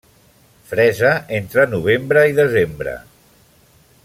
Fresa entre novembre i desembre.